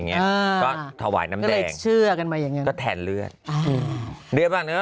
ก็ถ่วยน้ำแดงเชื่อกันมาอย่างเงี้ยก็แทนเลือดอ่า